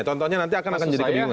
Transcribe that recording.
contohnya nanti akan jadi kebingungan